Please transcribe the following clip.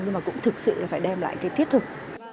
nhưng mà cũng thực sự là phải đem lại cái thiết thực